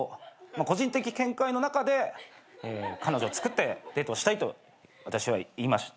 個人的見解の中で彼女つくってデートをしたいと私は言いました。